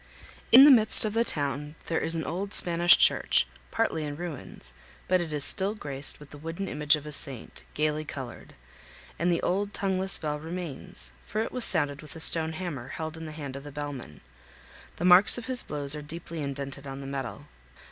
In the midst of the town there is an old Spanish church, partly in ruins, but it is still graced with the wooden image of a saint, gayly colored; and the old tongueless bell remains, for it was sounded with a stone hammer held in the hand of the bellman; the marks of his blows are deeply indented in the metal.